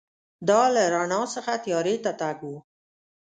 دا له رڼا څخه تیارې ته تګ و.